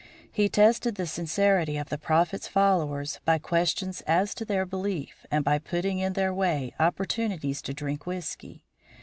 He tested the sincerity of the Prophet's followers by questions as to their belief and by putting in their way opportunities to drink whisky.